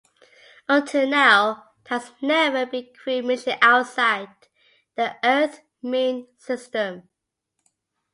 Until now, there has never been a crewed mission outside the Earth-Moon system.